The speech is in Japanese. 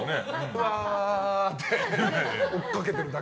うわーって追っかけてるだけ。